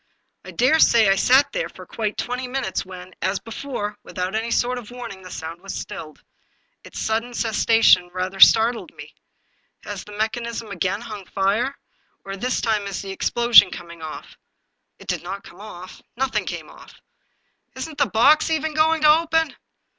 I dare say I sat there for quite twenty minutes when, as before, without any sort of warning, the sound was stilled. Its sudden cessation rather startled me. " Has the mechanism again hung fire? Or, this time, is English Mystery Stories the explosion coming off?" It did not come off; noth ing came off. " Isn't the box even going to open